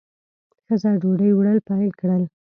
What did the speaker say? ښځه ډوډۍ وړل پیل کړل.